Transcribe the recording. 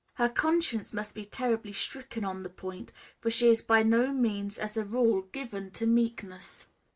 Her conscience must be terribly stricken on the point, for she is by no means as a rule given to meekness.